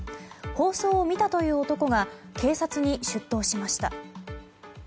放送を見たという男が警察に出頭しました。